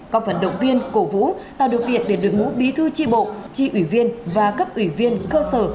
các vận động viên cổ vũ tàu được viện để được ngũ bí thư tri bộ tri ủy viên và cấp ủy viên cơ sở